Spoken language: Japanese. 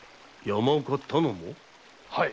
はい！